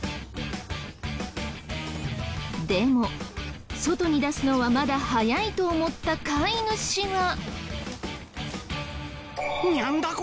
でも外に出すのはまだ早いと思った飼い主は。